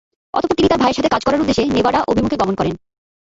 তারপর তিনি তার ভাইয়ের সাথে কাজ করার উদ্দেশ্যে নেভাডা অভিমুখে গমন করেন।